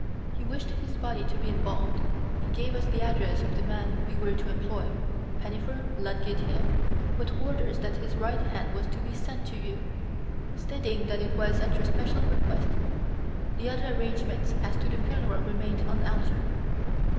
He wished his body to be embalmed (he gave us the address of the man we were to employ Pennifer, Ludgate Hill), with orders that his right hand was to be sent to you, stating that it was at your special request. The other arrangements as to the funeral remained unaltered."